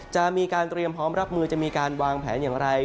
จะมีการเตรียมพร้อมรับมือจะมีการวางแผนอย่างไร